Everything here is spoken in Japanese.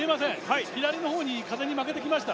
はい左の方に風に負けてきました